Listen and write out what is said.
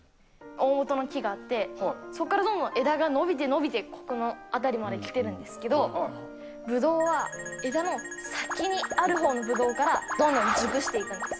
大本の木があって、そこからどんどん枝が伸びて伸びて、ここの辺りまで来てるんですけど、ぶどうは枝の先にあるほうのぶどうからどんどん熟していくんです。